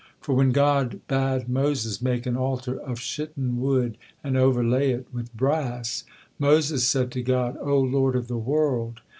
For when God bade Moses make an altar of shittim wood and overlay it with brass, Moses said to God: "O Lord of the world!